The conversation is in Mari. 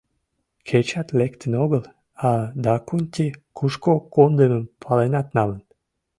Кечат лектын огыл, а Дакунти кушко кондымым паленат налын.